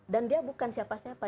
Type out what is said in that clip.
dan dia bukan siapa siapa